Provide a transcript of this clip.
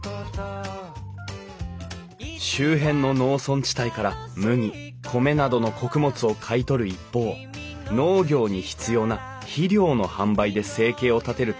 周辺の農村地帯から麦米などの穀物を買い取る一方農業に必要な肥料の販売で生計を立てる問屋が多かった。